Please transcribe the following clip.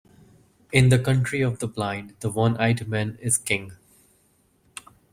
In the country of the blind, the one-eyed man is king.